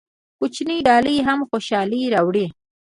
کوچنۍ ډالۍ هم خوشحالي راوړي.